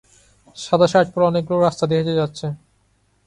সাদা শার্ট পরা অনেক লোক রাস্তা দিয়ে হেঁটে যাচ্ছে